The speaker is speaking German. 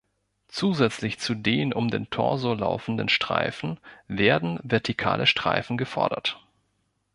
Zusätzlich zu den um den Torso laufenden Streifen werden vertikale Streifen gefordert.